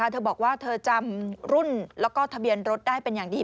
เธอบอกว่าเธอจำรุ่นแล้วก็ทะเบียนรถได้เป็นอย่างดี